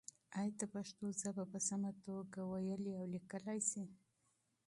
ایا ته پښتو ژبه په سمه توګه لوستلی او لیکلی شې؟